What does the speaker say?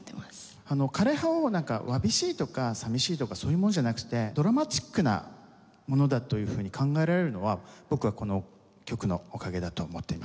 枯れ葉をわびしいとか寂しいとかそういうものじゃなくてドラマチックなものだというふうに考えられるのは僕はこの曲のおかげだと思っています。